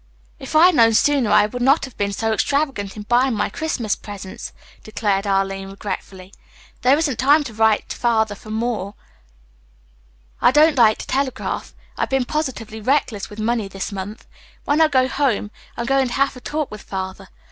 "If I had known sooner I would not have been so extravagant in buying my Christmas presents," declared Arline regretfully. "There isn't time to write Father for money. I don't like to telegraph. I've been positively reckless with money this month. When I go home I'm going to have a talk with Father.